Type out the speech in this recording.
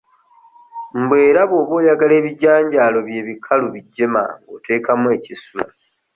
Mbu era bw'oba oyagala ebijanjaalo byo ebikalu bijje mangu oteekamu ekisula.